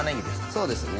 そうですね。